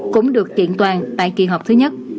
cũng được kiện toàn tại kỳ họp thứ nhất